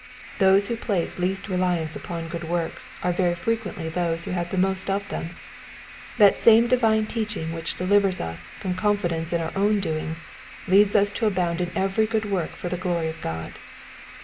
Those who place least reliance upon good works are very frequently those who have the most of them ; that same divine teaching which delivers us from confi dence in our own doings leads us to abound in every s^ood work to the glory of God.